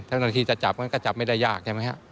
เมื่อคีย์จับก็จับไม่ได้ยากใช่มั้ยฮะ